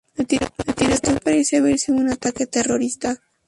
El tiroteo parece haber sido un ataque terrorista.